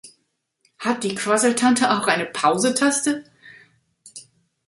Hat die Quasseltante auch eine Pausetaste?